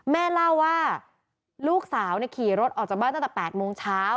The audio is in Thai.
แม่เล่าว่าลูกสาวขี่รถออกจากบ้านตั้งแต่๘โมงเช้า